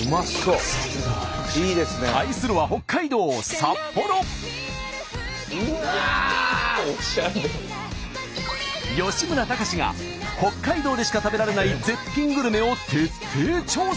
対するは吉村崇が北海道でしか食べられない絶品グルメを徹底調査。